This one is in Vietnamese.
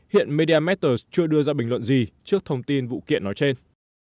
hiện media master chưa đưa ra bình luận gì trước thông tin vụ kiện nói trên